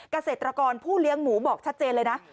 เกษตรกรผู้เลี้ยงหมูบอกชัดเจนเลยนะ